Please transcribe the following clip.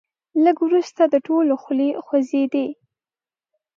لږ وروسته د ټولو خولې خوځېدې.